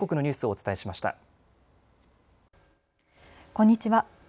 こんにちは。